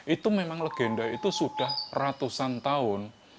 itu memang legenda itu sudah ratusan tahun